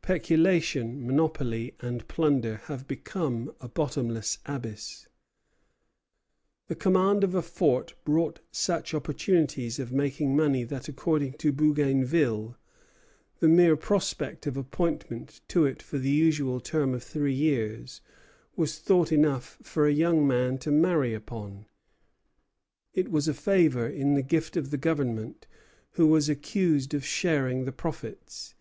Peculation, monopoly, and plunder have become a bottomless abyss." Considérations sur l'État présent du Canada. The command of a fort brought such opportunities of making money that, according to Bougainville, the mere prospect of appointment to it for the usual term of three years was thought enough for a young man to marry upon. It was a favor in the gift of the Governor, who was accused of sharing the profits.